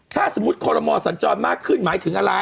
ถ้าสมมุติคอลโมสัญจรมากขึ้นหมายถึงอะไร